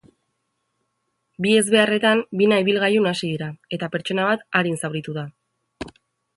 Bi ezbeharretan bina ibilgailu nahasi dira, eta pertsona bat arin zauritu da.